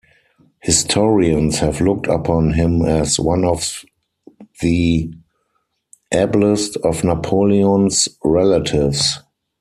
Historians have looked upon him as one of the ablest of Napoleon's relatives.